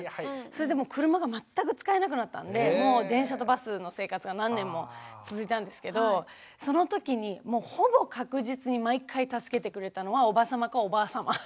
それで車が全く使えなくなったんで電車とバスの生活が何年も続いたんですけどそのときにもうほぼ確実に毎回助けてくれたのはおば様かおばあ様。